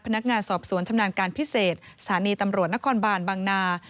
พนักงานสอบสวนชำนาญการพิเศษสถานีตำรวจนครบานบางนา